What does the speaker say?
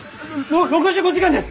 ６５時間です！